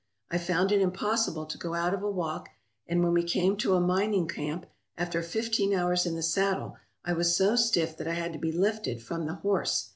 I found it im possible to go out of a walk, and when we came to a mining camp, after fifteen hours in the saddle, I was so stiff that I had to be lifted from the horse.